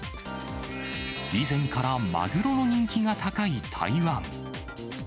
以前からマグロの人気が高い台湾。